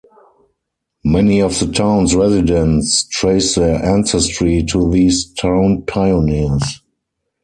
Many of the towns residents trace their ancestry to these town pioneers.